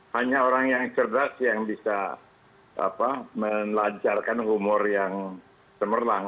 hanya orang yang cerdas yang bisa melancarkan humor yang cemerlang